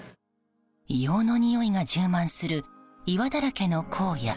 硫黄のにおいが充満する岩だらけの荒野。